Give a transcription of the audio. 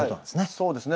そうですね。